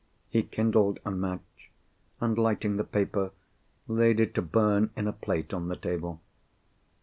He kindled a match, and, lighting the paper, laid it to burn in a plate on the table.